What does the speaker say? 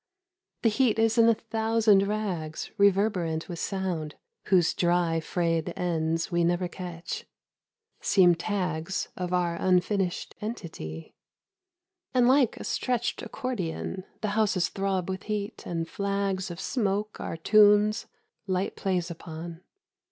The heat is in a thousand rags Reverberant with sound, whose dry Frayed ends we never catch, seem tags 91 Myself on the Merry go round. Of our unfinished entity ; And like a stretched accordion The houses throb with heat, and flags Of smoke are tunes light plays upon.